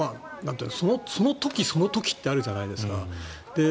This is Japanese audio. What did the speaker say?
その時、その時ってあるじゃないですか